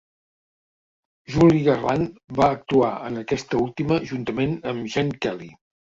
Judy Garland va actuar en aquesta última juntament amb Gene Kelly.